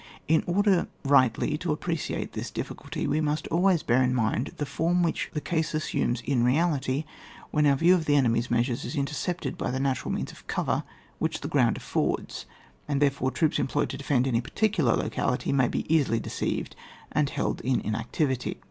In order rightly to appreciate this difficulty, we must always bear in mind the form which the case assumes in reality when our view of an enemy's measures is intercepted by the natural means of cover which the ground affords, and therefore troops employed to defend any particular locality may be easily deceived and held in inactivity.